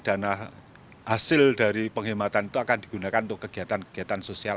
dana hasil dari penghematan itu akan digunakan untuk kegiatan kegiatan sosial